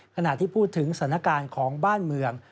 ขณะที่พูดถึงสถานการณ์ของบ้านเมือง